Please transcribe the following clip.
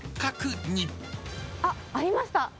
あっ、ありました。